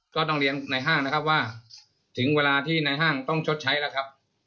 ก็ต้องเรียนในห้างนะครับว่าถึงเวลาที่ในห้างต้องชดใช้แล้วครับ